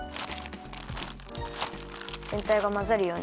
ぜんたいがまざるように。